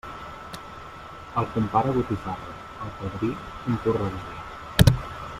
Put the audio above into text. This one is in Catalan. Al compare, botifarra; al padrí, un porró de vi.